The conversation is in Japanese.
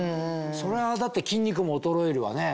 それはだって筋肉も衰えるわね。